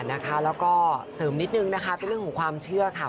แล้วก็เสริมนิดนึงนะคะเป็นเรื่องของความเชื่อค่ะ